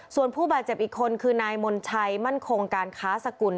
ส่วนผู้บาดเจ็บอีกคนคือนายมนชัยมั่นคงการค้าสกุล